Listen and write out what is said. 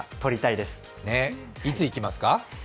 いつ行きますか？